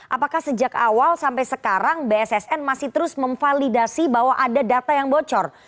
apakah sejak awal sampai sekarang bssn masih terus memvalidasi bahwa ada data yang bocor